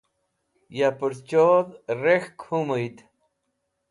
ya purchod rek̃hk humuyd